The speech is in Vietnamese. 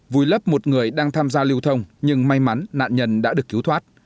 vùi lấp một người đang tham gia lưu thông nhưng may mắn nạn nhân đã được cứu thoát